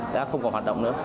đã không còn hoạt động nữa